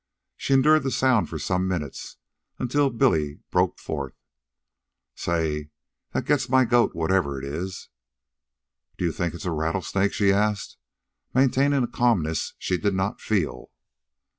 She endured the sound for some minutes, until Billy broke forth. "Say, that gets my goat whatever it is." "Do you think it's a rattlesnake?" she asked, maintaining a calmness she did not feel.